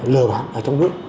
lờ bán ở trong nước